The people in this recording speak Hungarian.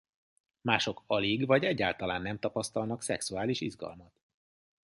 Mások alig vagy egyáltalán nem tapasztalnak szexuális izgalmat.